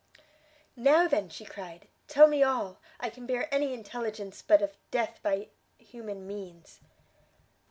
"Now, then," she cried, "tell me all: I can bear any intelligence but of death by human means."